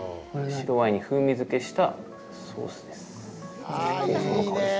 白ワインに風味付けしたソースです。